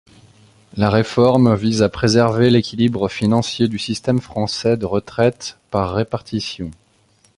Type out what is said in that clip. La réforme vise à préserver l'équilibre financier du système français de retraites par répartition.